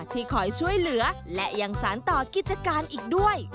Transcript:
ที่คอยช่วยเหลือและยังสารต่อกิจการอีกด้วย